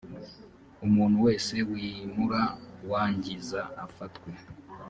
umuntu wese wimura wangiza afatwe.